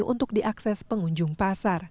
untuk diakses pengunjung pasar